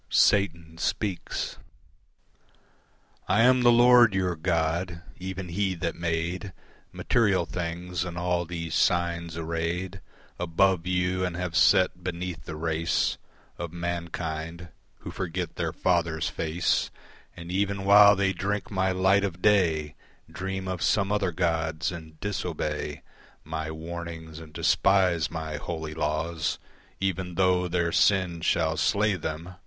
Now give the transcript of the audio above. Satan Speaks I am the Lord your God: even he that made Material things, and all these signs arrayed Above you and have set beneath the race Of mankind, who forget their Father's face And even while they drink my light of day Dream of some other gods and disobey My warnings, and despise my holy laws, Even tho' their sin shall slay them.